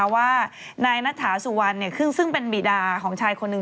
ว่านายนัทธาสุวรรณซึ่งเป็นบีดาของชายคนหนึ่ง